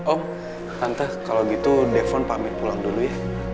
om nanti kalau gitu depon pak mir pulang dulu ya